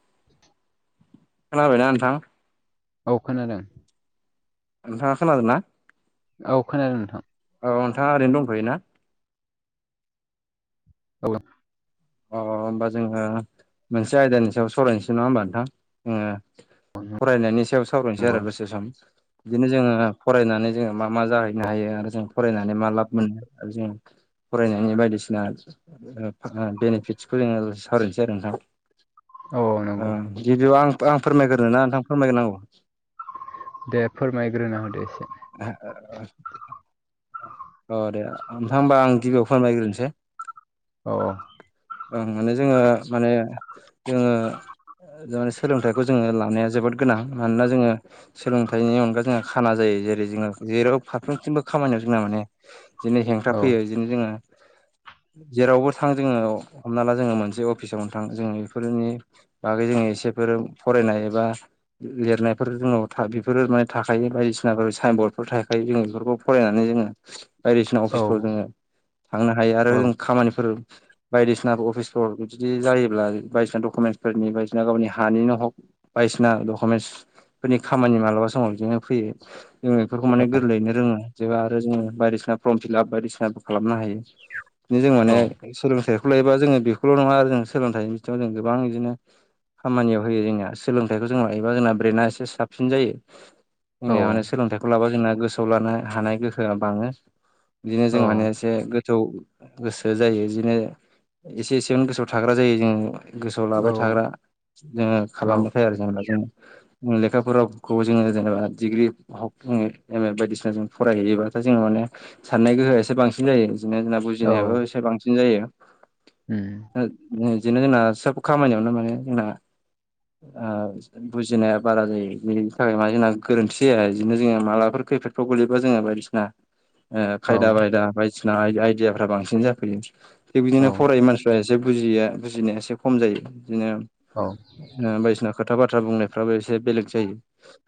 [inaudible] खोनाबायना नोंथां औ खोनादों नोंथांआ खोनादों ना? औ खोनादों नोंथां औ नोंथांआ ओरैनो दंथ'योना औ अ होमबा जोङो मोनसे आयदानि सायाव सरायनोसै नङा होमबा नोंथां जोङो औ फरायनायनि सायाव सावरायनोसै नंगौ आरो दसे सम बिदिनो जोङो फरायनानै जोङो मा मा जाहैनो हायो आरो जों फरायनानै मा लाब मोनो आरो जों फरायनायनि बायदिसिना बेनिफिटसखौ जोङो सावरायनोसै आरो नोंथां औ नंगौ गिबियाव आं आं फोरमायग्रोनो ना नोंथां फोरमायग्रोनांगौ दे फोरमायग्रो नों दे [unintelligible] अ दे नोंथां हमबा आं गिबियाव फोरमायग्रोनोसै औ औ ओ माने जोङो माने जोङो माने सोलोंथाइखौ जोङो लानाया जोबोद गोनां मानोना जोङो सोलोंथाइनि अनगायै जोंहा खाना जायो जेरै जै जोङो जेराव फारफ्रोमथिंबो खामानियाव जोंना माने बिदिनो हेंथा औ फैयो बिदिनो जोङो जेरावबो थां जोङो हमना ला जोङो मोनसे अफिसावनो थां जोङो बेफोरनि बागै जोङो एसेफोर फरायनाय एबा लिरनायफोर जोंनाव बेफोरो माने थाखायो बायदिसिनाफोर साइन बर्डफोर थखायो जोंङो बेफोरखौ फरायनानै जोङो बायदिसिना औ अफिसफोराव जोङो थांनो हायो आरो औ जों खामानिफोर बायदिसिना अफिसफोर बिदि जायोब्ला बायदिसिना डकुमेन्टसफोरनि बायदिसिना गावनि हानिनो हग बायदिसिना डकुमेन्टस फोरनि खामानि मालाबा समाव बिदिनो फैयो जों बेफोरखौ माने गोरलैनो रोङो जेबो आरो जोङो बायदिसिना फर्म फिलाप बायदिसिनाबो खालामनो हायो। बिदिनो जों औ माने सोलोंथाइखौ लायोबा जोङो बेखौल' नङा आरो जों सोलोंथाइनि बिथिङाव जों गोबां बिदिनो खामानियाव होयो जोंनिया सोलोंथाइखौ जों लायोबा जोंना ब्रेना एसे साबसिन जायो जोंनिया माने सोलोंथाइखौ लाबा जोंना गोसोआव लानो हानाय गोहोआ बाङो बिदिनो औ जों माने एसे जौ गोसो जायो बिदिनो एसे एसेमोन गोसोआव थाग्रा जायो जोङो गोसोआव लाबाय थाग्रा जोङो औ खालामो आरो जेनेबा जोंङो लेखाफोरावखौ जोङो जेनेबा डिग्रि एम ए बायदिसिना जों फरायहैयोबाथाय जों माने साननाय गोहोआ एसे बांसिन जायो बिदिनो जोंब औ बुजिनायाबो एसे बांसिन जायो [unintelligible] बिदिनो जोंना सोब खामानियावनो माने जोंना बुजिनाया बारा जायो बेनि थाखाय मा जोंना गोरोन्थि जाया बिदिनो जोङो मालाफोर खैफोदफ्राव गोलैबा जोङो बायदिसिना औ खायदा बायदा बायदि बायदिसिना आइदियाफ्रा बांसिन जाफैयो थिग औ बिदिनो फरायो मानसिफ्रा जा एसे बुजिया बुजिनाया एसे खम जायो बिदिनो औ बायदिसिना खोथा बाथ्रा बुंनायफ्राबो एसे बेलेग जायो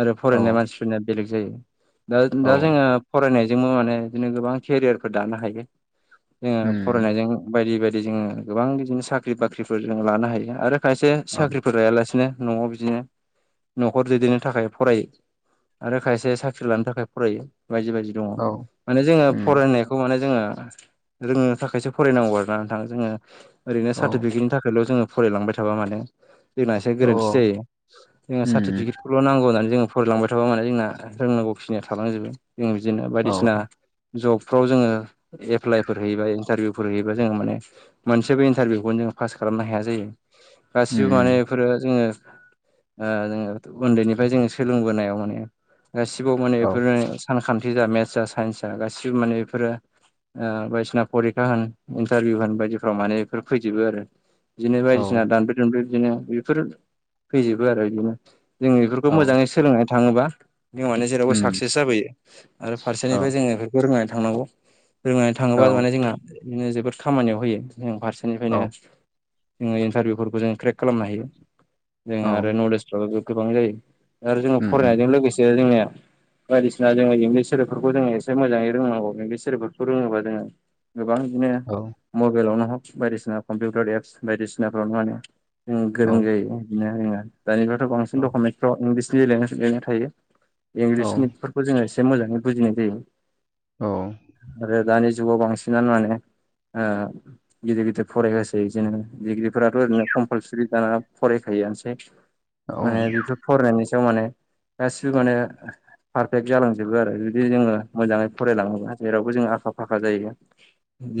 आरो औ फरायनाय मानसि बेलग जायो औ दा जोंना फरायनायजोंबो माने बिदिनो गोबां केरियारफोर दानो हायो जोङो उम फरायनायजों बायदि बायदि जोङो गोबां बिदिनो साख्रि बाख्रिफोर जो लानो हायो आरो खायसे औ साख्रिफोर लायालासिनो न'आव बिदिनो न'खर दैदेननो थाखाय फरायो आरो खायसे साख्रि लानो थाखाय फरायो बायदि बायदि दङ औ माने जोङो उम फरायनायखौ माने जोङो रोंङनो थाखायसो फरायनांगौ आर ना नोंथां जोङो ओरैनो औ सार्टिफिकेटनि थाखायल' जोङो फरायलांबाय थाबा माने जोंना एसे औ गोरोन्थि जायो जोंना सार्टिफिकेट सकल' नांगौनानै जोङो फरायलांबाय थाबा मान जोंना रोंनांगौ खिनिया थालांजोबो जों बिदिनो बायदिसिना जबफ्राव जोङो एप्लाइफोर हैयोबा इन्टारभिउफोर हैयोबा जोङो माने मोनसेबो इन्टारभिउखौनो जोङो पास खालामनो हाया जायो। गासिबो माने उम बेफोरो जोङो ओ जोङो उन्दैनिफ्राय जोङो सोलोंबोनायाव माने गासिबो माने औ उम बेफोरो सानखान्थि जा मेथ्सआ साइन्सआ गासिबो माने बेफोरो ओ बायदिसिना फरिखा होन इन्टारभिउ होन बायदिफ्राव माने बेफोर फैजोबो आरो। बिदिनो बायदिसिना दानब्रे दुमब बिदिनो बेफोर फैजोबो आरो बिदिनो जों बेफोरखौ औ मोजाङै सा सोलोंनाय थाङोबा बिमानि जेरावबो उम साक्सेस जाबोयो आरो औ फारसेनिफ्राय जोङो फोरमानानै थांनांगौ रोंनानै थाङोबा औ माने जोंहा बिनो जोबोद खामानियाव होयो जों फारसे बे औ निफ्रायनो जोङो इन्टारभिउफोरखौ जों क्रेक खालामनो हायो औ जोङो आरो नलेज [unintelligible] गोबां जायो आरो जोङो उम उम फरायनायजों लोगोसे जोंनिया बायदिसिना जोङो इंलिस सोेदोबफोरखौ जोङो एसे मोजाङै रोंनांगौ इंलिस सोदोबफोरखौ रोङोबा जोङो गोबां बिदिनो औ मबाइलावनो हक बायदिसिना कम्पिउटार एप्स बायदिसिनाफ्रावनो माने उम औ गोरों जायो बिनोङा दानिफ्रायथ' बांसिन डकुमेन्सफ्राव इंलिसनि बिदिनो थायो इंलिसनिफोरखौ जोङो एसे मोजाङै बुजिनाय जायो। औ आरो दानि जुगाव बांसिनानो माने ओ गिदिर गिदिर फरायगसै बिदिनो डिग्रिफोराथ' ओरैनो कमपालसि दाना फरायखायोआनोसै। औ औ माने बेफोर फरायनायनि सायाव माने गासिबो माने पारफेक्ट जालांजोबो आरो जुदि जोङो मोजाङै फरायलाङोबा जेरावबो जों आखा फाखा जायो।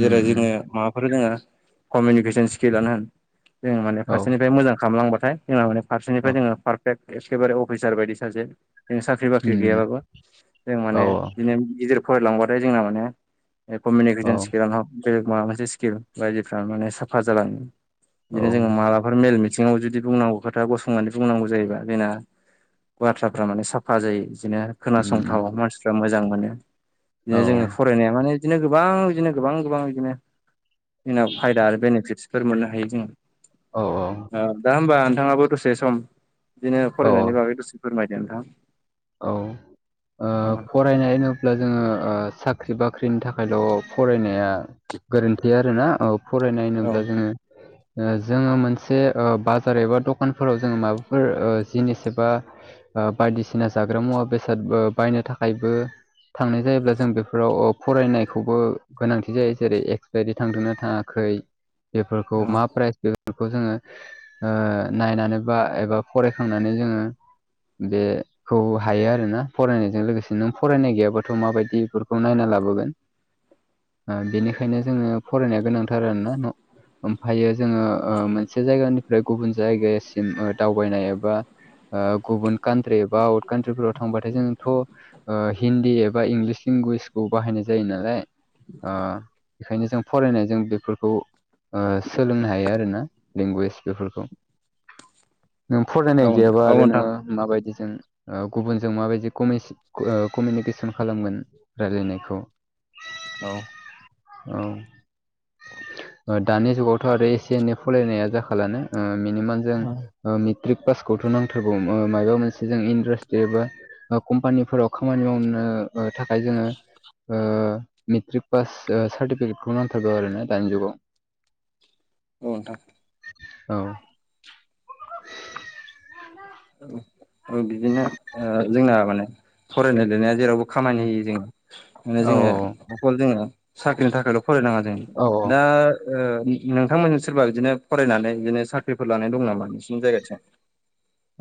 उम जोङो उम माबाफोर जोङो कमिउनिकेसन स्किलानो होन। जों मान औ फारसेनिफ्राय मोजां खालामलांबथाय जोंहा माने फारसेनिफ्राय औ जोङोारफेक्ट एखेबारे अफिसार बायदि जों साख्रि बाख्रि उम गैयाबाबो जों औ माने बिदिनो फरायलांबाथाय जोंना माने औ कमिउनिकेसन स्किलानो बेलेग माबा मोनसे स्किल बायदिफ्रा माने साफा जालाङो औ बिदिनो जोङो मालाफोर मेल मिथिं सिङाव जुदि बुंनांगौ खोथा गसंनानै बुंनांगौ जायोबा जोंना बाथ्राफ्रा माने साफा जायो बिदिनो उम उम खोनासंथाव मानसिफ्रा मोजां मोनो औ बिदिनो जोङो फ फरायनाया माने बिदिनो गोबां बिदिनो गोबां गोबां बिदिनो जोंनाव फायदा आरो बेनिफिट्स फोर मोननो हायो जोङो औ औ दा होमबा नोंथाङाबो दसे सम बिदिनो औ फरायनायनि बागै दसे फोरमायदो नोंथां। औ ओ अ फरायनाय होनोब्ला जोङो ओ साख्रि बाख्रिनि थाखायल' फरायनाया गोरोन्थि आर ना औ फरायनाय औ होनोब्ला जोङो [inaudible] ओ जोङो मोनसे ओ बाजार एबा दखानफोराव जोङो माबाफोर ओ जिनिस एबा बायदिसिना जाग्रा मुवा बेसाद बायनो थाखायबो थांनाय जायोब्ला जों बेफोराव फरायनायखौबो गोनांथि जायो जेरै एक्सपायारि थांदोंना थाङै खै बेफोरखौ औ मा फरायनो? बेखौ जोङो ओ नायनानै बा एबा फरायखांनानै जोङो बे खौ हायो आरो ना फरायनायजों लोगोसे नों फरायनाय गैयाबाथ' माबायदि बेफोरखौ नायना लाबोगोन [inaudible] ओ बेनिखायनो जोङो फरायनाया गोनांथार आरोना न' ओमफ्रायो जोङो ओ मोनसे जायगानि फ्राय गुबुन जायगासिम दावबायनाय एबा ओ गुबुन कान्ट्रि बा आउट कान्ट्रिफोराव थांबाथाय जोंथ' ओ हिन्दी एबा इंलिस लेंगुवेज खौ बाहायनाय जायो नालाय ओ बेखायनो जों फरायनायजों बेफोरखौ ओ सोलोंनो हायो आरोना लेंगुवेज बेफोरखौ [inaudible] नों फरायनाय गैयाबा औ आरो नोंथां नोङो माबायदिजों ओ गुबुनजों माबायदि कमिस कमिउनिकेसन खालामगोन? रायलायनायखौ औ। औ। ओ दानि जुगावथ' आरो एसे एनै फलायनाया जाखालानो ओ मिनिमाम जों औ ओ मेट्रिक पासथ' नांथारगौ मो ओ मायबा मोनसे जों इन्दासट्रि एबा ओ कम्पानिफोराव खामानि मावनो ओ थाखाय जोङो ओ मेट्रिक पास सार्टिफिकेटखौ नांथारगौ आरो ना दानि जुगाव। औ नोंथां। औ। औ बिदिनो ओ जोंना माने फरायनाय लिरनाया जेरावबो खामानि होयि जायो। माने औ जोङो अखल जोङो साख्रिनि थाखायल' फराय नाङा जों औ दा ओ नोंथांमोनजों सोरबा बिदिनो फरायनानै बिदिनो साख्रिफोर लानाय दं नामा नोंसिनि जायगाथिं?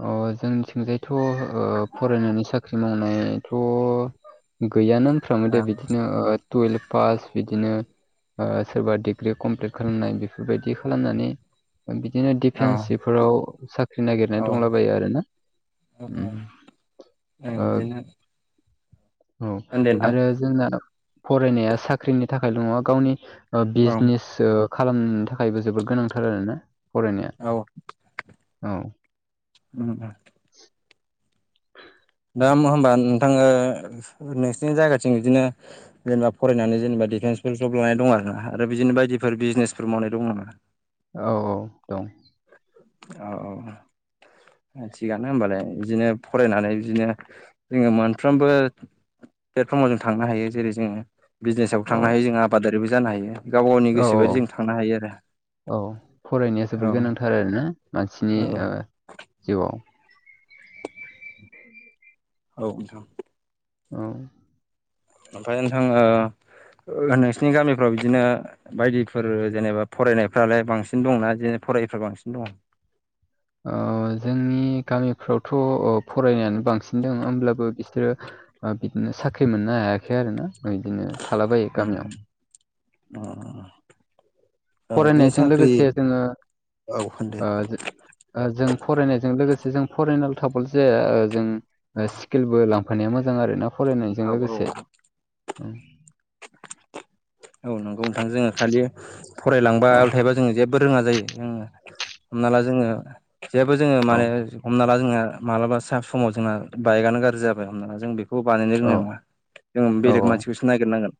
अ जोंनिथिंजायथ' ओ फरायनायनि सा साख्रि मावनायथ' गैयानो होनफ्रामो औ दे बिदिनो ओ टुयेल्भ पास बिदिनो ओ सोरबा डिग्रि कमप्लिट खालामनाय बेफोर बायदि खालामनानै ओ बिदिनो औ डिफेन्सफोराव साख्रि नागिरनाय औ दंलाबायो आरोना औ उम ओ औ होनदो नोंथां। आरो जोंना फरायनाया साख्रिनि थाखायल' नङा गावनि ओ औ बिजनेस सो खालामनो थाखायबो जोबोद गोनांथार आरोना फरायनाया औ औ। उम उम। [inaudible] दा होम-होमबा नोंथां ओ नोंसिनि जायगाथिं इदिनो जेनेबा फरायनानै जेनेबा डिफेन्सफोर जब लानाय दं आरोना आरो बिदिनो बायदिफोर बिजनेसफोर मावनाय दं नामा? औ औ दं। औ औ औ। ओ थिगानो होनोमबालाय बिदिनो फरायनानै बिदिनो जोङो मोनफ्रोमबो प्लेटफर्माव जों थांनो हायो जेरै जोङो बिजनेसावबो औ थांनो हायो जोंङो आबादारिबो जानो हायो। गाव गावनि औ गोसो औ बायदि जों थांनो हायो आरो औ। ओरैनो मानसिनि औ ओ जिउआव औ नोंथां। औ। ओमफ्राय नोंथां ओ नोंसिनि गामिफ्राव बिदिनो बायदिफोर जेनेबा फरायनायफ्रालाय बांसिन दंना जेने फरायिफ्रा बांसिन दङ'? औ जोंनि गामिफ्रावथ' ओ फरायनायानो बांसिन दं होमब्लाबो बिसोरो बा बिदिनो साख्रि मोननो हायाखै आरो ना ओ बिदिनो थालाबायो उम गामियाव अ। फरायनायजों लोगोसे जोङो औ होनदो ओ ओ जों फरायनायजों लोगोसे जों फरायना थाबाल' जाया ओ औ जों स्किलबो लांफानाया मोजां आरो ना फरायनायजों औ लोगोसे औ नंगौ नोंथां जोङो खालि औ फरायलांबायल' थायोबा जोङो जेबो रोङा जायो जोङो हमना ला जोङो जेबो जोङो औ माने हमना ला जोंहा मालाबा सा समाव जोंहा बाइकआनो गाज्रि हमना ला जों बे बेखौबो बानायनो रोंनाय औ नङा जों औ बेलेग मानसिखौसो नागिरनांगोन।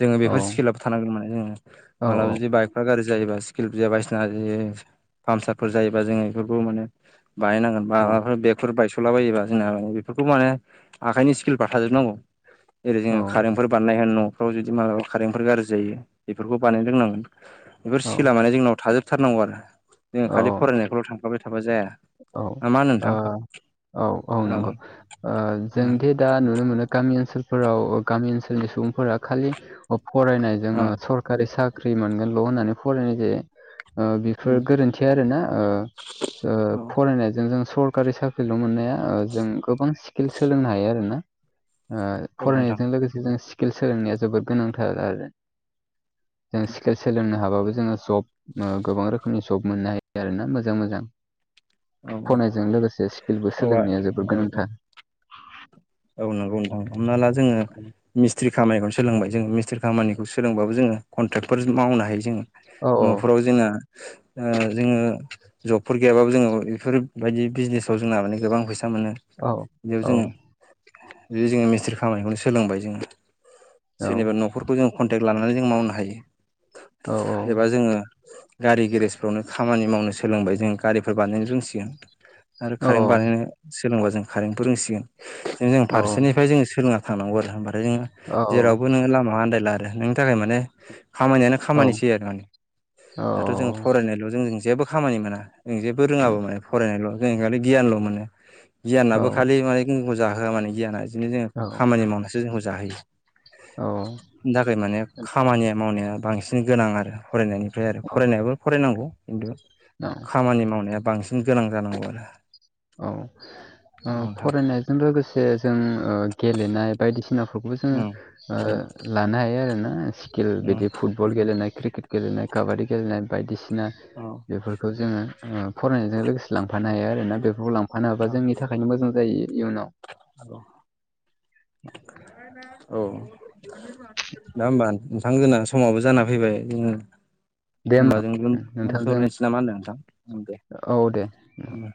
जोङो औ बेफोर स्किलाबो थानांगोन माने जोङो औ मालाबा जुदि बाइकफ्रा गारजि जायोबा स्किल [unintelligible] बायसिना पामसारफोर जायोबा जोङो इफोरखौ माने बानायनांगोन। बा औ माबाफोर ब्रेकफोर बायस'लाबायोबा जोंना बेफोरखौ माने आखाइनि स्किलफ्रा थाजोबनांगौ। जेरै जोङो औ कारेन्टफोर बानायनाय होन न फ्राव जुदि माबा कारेन्टफोर गाज्रि जायो बेफोरखौ बानायनो रोंनांगोन बेफोर औ स्किला माने जोंनाव थाजोब थारनांगौ आरो जोङो खालि औ फरायनायखौल' थांफ्लाबाय थाबा जाया औ ना मा होनो नोंथां? ओ औ औ नंगौ ओ जोंदि दा नुनो मोनो गामि ओनसोलफोराव गामि ओनसोलनि सुबुंफोरा खालि फरायनायजों औ ओ सरकारि साख्रि मोनगोनल' होननानै फरायनाय जायो। ओ बेफोर गोरोन्थि आरोना ओ औ ओ फरायनायजों जों सरकारि साक्रिल' मोननाया ओ जों गोबां स्किल सोलोंनो हायो आरोना। ओ औ नोंथां फरायनायजों लोगोसे जों स्किल सोलोंनाया जोबोद गोनांथार आरो। जों स्केल सोलोंनो हाबाबो जोङो जब ओ गोबां रोखोमनि ज ब मोननो हायो आरोना मोजां मोजां। औ फनायजों लोगोसे स्किलबो औ सोलोंनाया जोबोद औ गोनांथार। औ नंगौ नोंथां हमना ला जोङो मिस्ट्रि खामानिखौनो सोलोंबाय जोङो मिस्ट्रि खामानिखौ सोलोंबाबो जोङो कन्ट्रेकफोर मावनो हायो जोङो औ औ न'फोराव जोङा जोङो जबफोर गैयाबाबो जोङो इफोरबायदि बिजनेसाव जोंना माने गोबां फैसा मोनो। औ औ बिदि जोङो मिस्ट्रि खामानिखौनो सोलोंबाय जोङो औ सोरनिबा न'फोर जों कन्टेक्ट लानानै जों मावनो हायो। औ एबा जोङो गारि गेरेजफ्रावनो खामानि मावनो सोलोंबाय जों गारिफोर बानायनो रोंसिगोन। आरो औ कारेन्ट बानायनो सोलोंबा जों कारेन्टबो रोंसिगोन। जों औ फारसेनिफ्राय जों सोलोंना थानांगौ आरो ओमफ्राथाय जोङो औ जेरावबो नोङो लामा आनदायला आरो नों नि थाखाय माने खामानियानो औ खामानिसै आरो माने दाथ' जोङो फरायनायल' जोंजों जेबो खामानि मोना जों जेबो रोङाबो माने फरायनायल' जों खालि गियानल' मोनो गियानाबो खालि माने जोंखौ जाहोआ माने गियाना इदिनो जोङो औ खामानि मावनानैसो जोंखौ जाहोयो। औ थाखाय माने खामानिया मावनाया बांसिन गोनां आरो फरायनायनिफ्राय आरो फरायनायावबो फरायनांगौ खिन्थु खामानि मावनाया बांसिन गोनां जानांगौ आरो। औ नोंथां जों लोगोसे जों ओ गेलेनाय बायदिसिनाफोरखौबो जोङो उम ओ लानो हायो आरोना स्किल उम बिदि औ फुट बल गेलेनाय क्रिकेट गेलेनाय काबादि गेलेनाय बायदिसिना बेफोरखौ जोङो फरायनायजों लोगोसे लांफानो हायो आरोना बेफोरखौ लांफानो हाबा औ जोंनि थाखायनो मोजां जायो इयुनाव। औ [inaudible] दा ओमबा नोंथां जोना समावबो जाना फैबाय दे ओमबा होमबा जों दोनथ' नोंथांजों लायनोसै मा होनो नोंथां ओं दे औ दे उम [unintelligible]